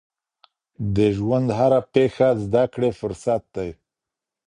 د ژوند هره پیښه زده کړې فرصت دی.